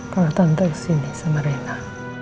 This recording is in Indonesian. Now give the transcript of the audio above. pernah tante kesini sama rena